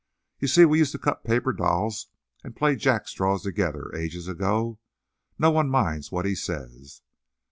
You see, we used to cut paper dolls and play jackstraws together ages ago. No one minds what he says."